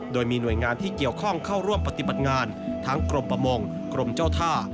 โดยมีหน่วยงานที่เกี่ยวข้องเข้าร่วมปฏิบัติงานทั้งกรมประมงกรมเจ้าท่า